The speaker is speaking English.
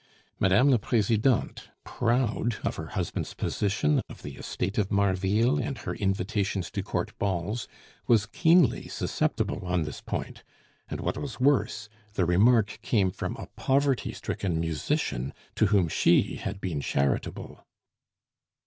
Mme. la Presidente, proud of her husband's position, of the estate of Marville, and her invitations to court balls, was keenly susceptible on this point; and what was worse, the remark came from a poverty stricken musician to whom she had been charitable.